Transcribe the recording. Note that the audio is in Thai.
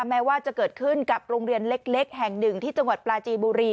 แม้ว่าจะเกิดขึ้นกับโรงเรียนเล็กแห่งหนึ่งที่จังหวัดปลาจีบุรี